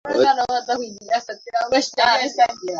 Mazao ya mashambani ni fakhari ya Mpemba